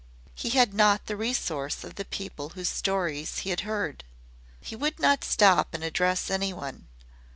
He had not the resource of the people whose stories he had heard. He would not stop and address anyone.